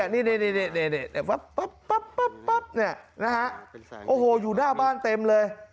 เนี่ยมันอยู่หน้าบ้านเต็มเลย